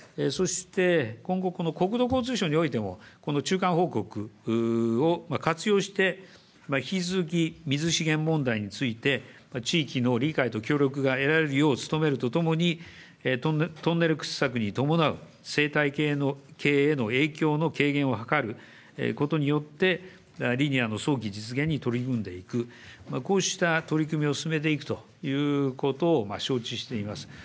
そして今後、この国土交通省においても、この中間報告を活用して、引き続き水資源問題について地域の理解と協力が得られるよう努めるとともに、トンネル掘削に伴う生態系への影響の軽減を図ることによって、リニアの早期実現に取り組んでいく、こうした取り組みを進めていくということを承知しています。